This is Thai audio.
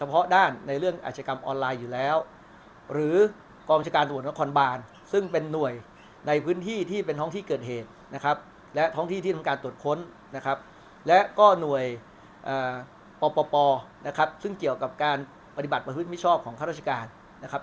พอนะครับซึ่งเกี่ยวกับการปฏิบัติประชุมิชชอบของข้าราชการนะครับ